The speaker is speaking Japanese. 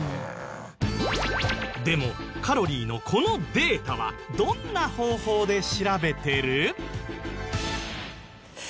でもカロリーのこのデータはどんな方法で調べてる？